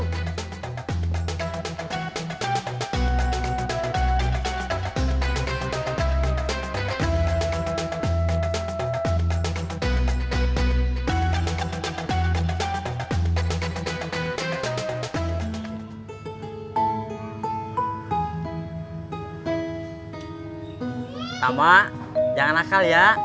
tama jangan nakal ya